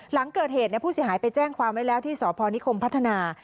หลังเกิดเหตุผู้เสียหายไปแจ้งความไว้แล้วที่สพนิคมพัฒนา